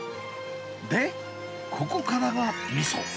で、ここからがみそ。